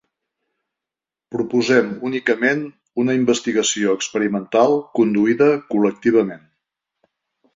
Proposem únicament una investigació experimental conduïda col·lectivament.